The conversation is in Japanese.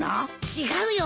違うよ。